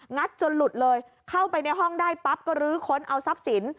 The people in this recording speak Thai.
จนหลุดเลยเข้าไปในห้องได้ปั๊บก็ลื้อค้นเอาทรัพย์สิน